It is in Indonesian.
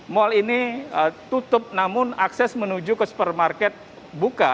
mal ini tutup namun akses menuju ke supermarket buka